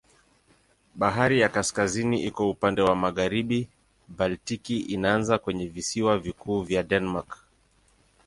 Bahari ya Kaskazini iko upande wa magharibi, Baltiki inaanza kwenye visiwa vikuu vya Denmark.